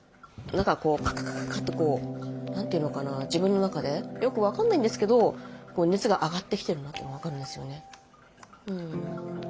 何かこうカカカカッとこう何て言うのかな自分の中でよく分かんないんですけど熱が上がってきてるなって分かるんですよね。